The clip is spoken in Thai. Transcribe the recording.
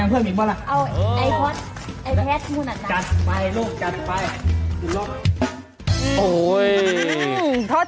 จัดกระบวนพร้อมกัน